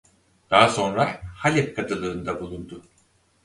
Daha sonra Halep kadılığında bulundu.